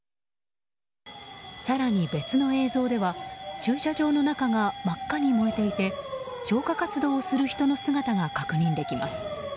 更に別の映像では駐車場の中が真っ赤に燃えていて消火活動をする人の姿が確認できます。